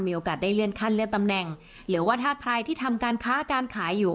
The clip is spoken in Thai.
มีโอกาสได้เลื่อนขั้นเลื่อนตำแหน่งหรือว่าถ้าใครที่ทำการค้าการขายอยู่